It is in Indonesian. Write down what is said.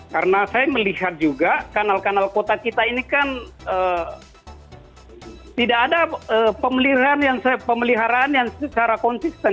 karena saya melihat juga kanal kanal kota kita ini kan tidak ada pemeliharaan yang secara konsisten